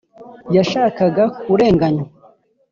yashakaga kurenganywa: